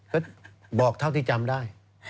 ก็บอกเท่าที่จำได้